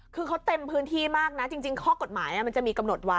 คือเขาเต็มพื้นที่มากนะจริงข้อกฎหมายมันจะมีกำหนดไว้